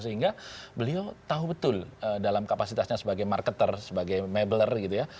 sehingga beliau tahu betul dalam kapasitasnya sebagai marketer sebagai mebeler gitu ya